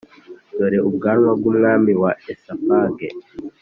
dore ubwanwa bwumwami wa espagne,